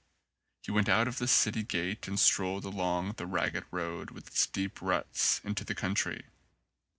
He went out of the city gate and strolled along the ragged road, with its deep ruts, into the country.